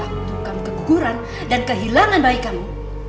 waktu kamu keguguran dan kehilangan bayi kamu